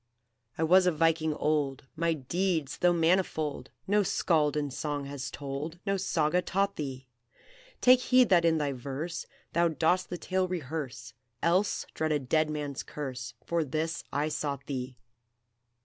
"I was a Viking old! My deeds, though manifold, No Skald in song has told, No Saga taught thee! Take heed that in thy verse Thou dost the tale rehearse, Else dread a dead man's curse; For this I sought thee.